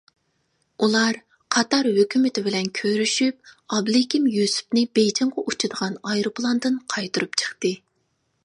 ئۇلار قاتار ھۆكۈمىتى بىلەن كۆرۈشۈپ، ئابلىكىم يۈسۈپنى بېيجىڭغا ئۇچىدىغان ئايروپىلاندىن قايتۇرۇپ چىقتى.